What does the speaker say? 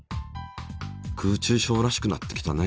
空中ショーらしくなってきたね。